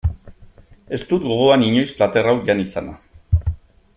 Ez dut gogoan inoiz plater hau jan izana.